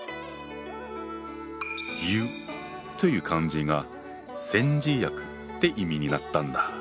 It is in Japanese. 「湯」という漢字が「煎じ薬」って意味になったんだ。